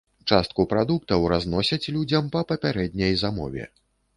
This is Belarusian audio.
Частку прадуктаў разносяць людзям па папярэдняй замове.